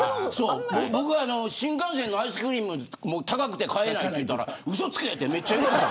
僕が新幹線のアイスクリーム高くて買えないと言ったらうそつけってめっちゃ言われた。